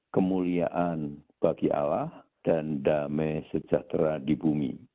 kemuliaan bagi allah dan damai sejahtera di bumi